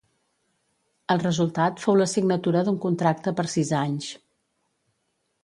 El resultat fou la signatura d'un contracte per sis anys.